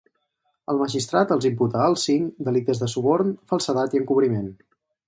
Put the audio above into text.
El magistrat els imputa als cinc delictes de suborn, falsedat i encobriment.